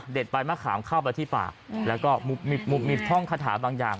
ใบมะขามเข้าไปที่ปากแล้วก็มีท่องคาถาบางอย่าง